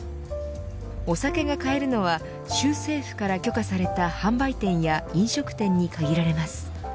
お酒が買えるのは州政府から許可された販売店や飲食店に限られます。